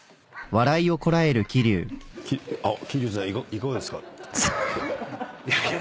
いかがですか？